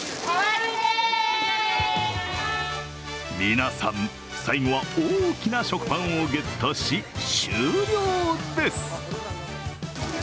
皆さん、最後は大きな食パンをゲットし、終了です。